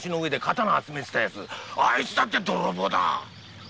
あいつだって泥棒だ。